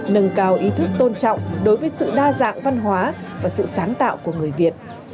nâng cao ý thức tôn trọng đối với sự đa dạng văn hóa và sự sáng tạo của người việt